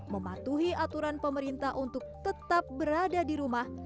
mematuhi aturan pemerintah untuk tetap berada di rumah